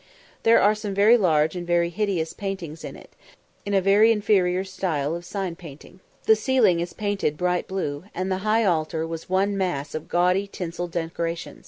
There are some very large and very hideous paintings in it, in a very inferior style of sign painting. The ceiling is painted bright blue, and the high altar was one mass of gaudy tinsel decoration.